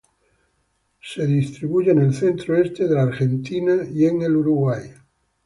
Se distribuye en el centro-este de la Argentina y en Uruguay.